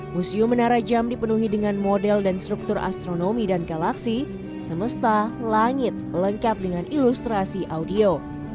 museum menara jam dipenuhi dengan model dan struktur astronomi dan galaksi semesta langit lengkap dengan ilustrasi audio